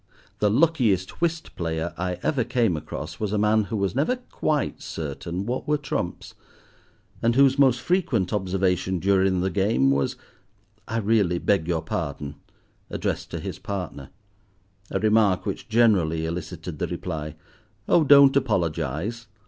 The luckiest whist player I ever came across was a man who was never quite certain what were trumps, and whose most frequent observation during the game was "I really beg your pardon," addressed to his partner; a remark which generally elicited the reply, "Oh, don't apologize.